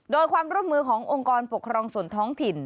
โดยความร่วมมือขององค์กรปกครองส่วนท้องถิ่น